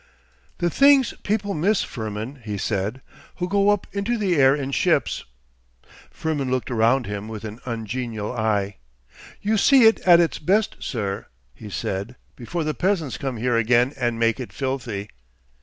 'The things people miss, Firmin,' he said, 'who go up into the air in ships!' Firmin looked around him with an ungenial eye. 'You see it at its best, sir,' he said, 'before the peasants come here again and make it filthy.